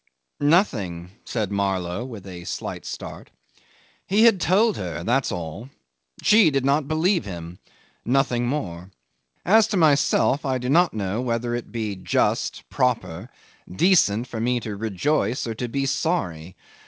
'Nothing,' said Marlow with a slight start. 'He had told her that's all. She did not believe him nothing more. As to myself, I do not know whether it be just, proper, decent for me to rejoice or to be sorry.